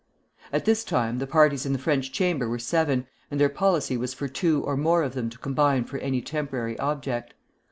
At this time the parties in the French Chamber were seven, and their policy was for two or more of them to combine for any temporary object.